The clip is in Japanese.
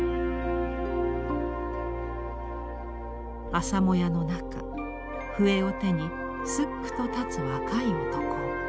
朝もやの中笛を手にすっくと立つ若い男。